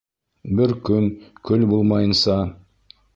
Бер көн көл булмайынса